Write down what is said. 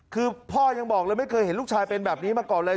คือพ่อยังบอกเลยไม่เคยเห็นลูกชายเป็นแบบนี้มาก่อนเลย